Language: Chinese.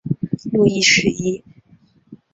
路易十一。